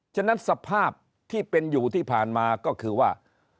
ฉะนั้นสภาพที่เป็นอยู่ที่ผ่านมาก็คือว่า